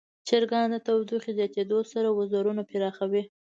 چرګان د تودوخې زیاتیدو سره وزرونه پراخوي.